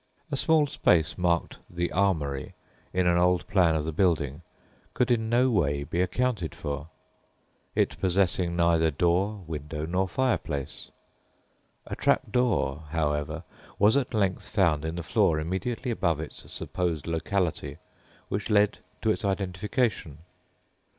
A small space marked "the armoury" in an old plan of the building could in no way be accounted for, it possessing neither door, window, nor fireplace; a trap door, however, was at length found in the floor immediately above its supposed locality which led to its identification.